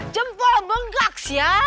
jempol bengkak sih ya